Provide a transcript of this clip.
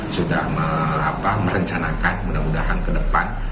sudah merencanakan mudah mudahan ke depan